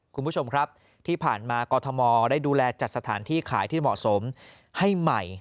คุณผู้ชมครับที่ผ่านมากรทมได้ดูแลจัดสถานที่ขายที่เหมาะสมให้ใหม่